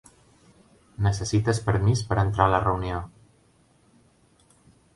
Necessites permís per entrar a la reunió.